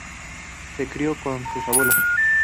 Se crio con sus abuelos.